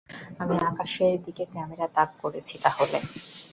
আমি আকাশের দিকে ক্যামেরা তাক করছি তাহলে।